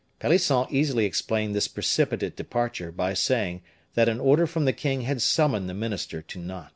Pelisson easily explained this precipitate departure by saying that an order from the king had summoned the minister to Nantes.